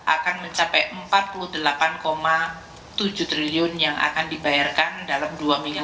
akan mencapai empat puluh delapan tujuh triliun yang akan dibayarkan dalam dua miliar